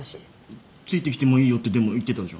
ついてきてもいいよってでも言ってたじゃん。